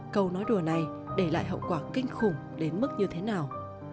câu nói đùa này để lại hậu quả kinh khủng đến mức như thế nào